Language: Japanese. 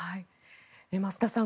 増田さん